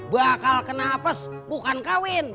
bakal kena apes bukan kawin